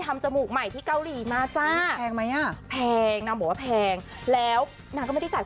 ทำจมูกใหม่ที่เกาหลีมาจ้า